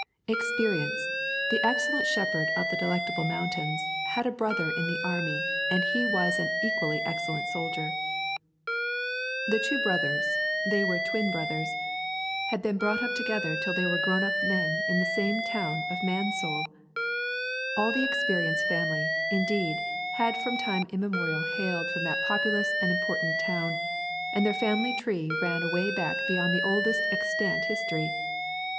Experience, the excellent shepherd of the Delectable Mountains, had a brother in the army, and he was an equally excellent soldier. The two brothers they were twin brothers had been brought up together till they were grown up men in the same town of Mansoul. All the Experience family, indeed, had from time immemorial hailed from that populous and important town, and their family tree ran away back beyond the oldest extant history.